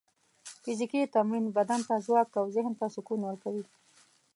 فزیکي تمرین بدن ته ځواک او ذهن ته سکون ورکوي.